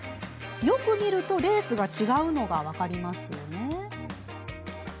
よく見ると、レースが違うのが分かりますよね？